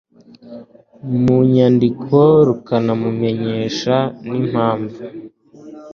mu nyandiko rukanamumenyesha n impamvu